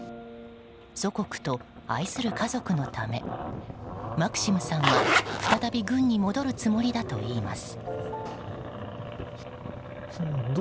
祖国と愛する家族のためマクシムさんは再び軍に戻るつもりだといいます。